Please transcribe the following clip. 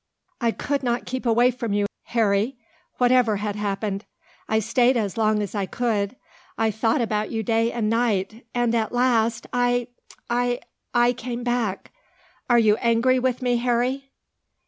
"I could not keep away from you, Harry, whatever had happened. I stayed as long as I could. I thought about you day and night. And at last I I I came back. Are you angry with me, Harry?"